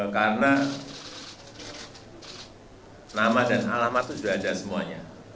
karena nama dan alamat itu sudah ada semuanya